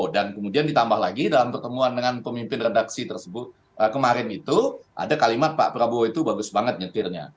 dan kemudian ditambah lagi dalam pertemuan dengan pemimpin redaksi tersebut kemarin itu ada kalimat pak prabowo itu bagus banget nyetirnya